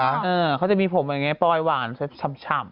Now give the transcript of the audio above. เออเขาจะมีผมแบบนี้ปลอยว่านสวยชำ